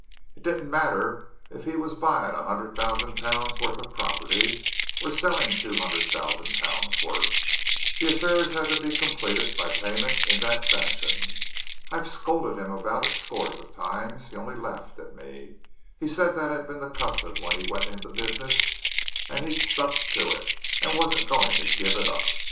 It didn't matter if he was buying a hundred thousand pounds' worth of property, or selling two hundred thousand pounds' worth the affairs had to be completed by payment in that fashion. I've scolded him about it scores of times; he only laughed at me; he said that had been the custom when he went into the business, and he'd stuck to it, and wasn't going to give it up.